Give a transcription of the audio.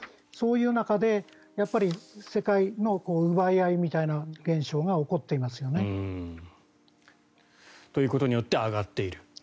そういう中で世界の奪い合いみたいな現象が起こっていますよね。ということによって上がっている。